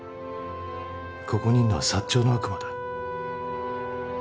ここにいるのはサッチョウの悪魔だ。